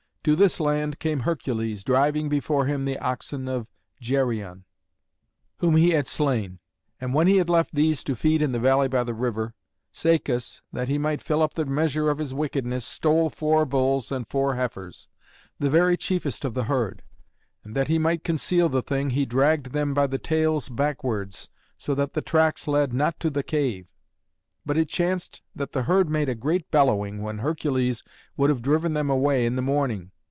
To this land came Hercules, driving before him the oxen of Geryon, whom he had slain. And when he had left these to feed in the valley by the river, Cacus, that he might fill up the measure of his wickedness, stole four bulls and four heifers, the very chiefest of the herd. And that he might conceal the thing, he dragged them by the tails backwards, so that the tracks led not to the cave. But it chanced that the herd made a great bellowing when Hercules would have driven them away in the morning.